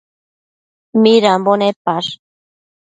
Midambo nepash?